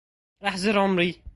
احزر عمري.